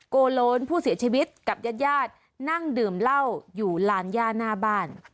โกโลนผู้เสียชีวิตกับญาติญาตินั่งดื่มเหล้าอยู่ลานย่าหน้าบ้าน